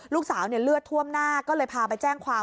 ลูกสาวเลือดท่วมหน้าก็เลยพาไปแจ้งความ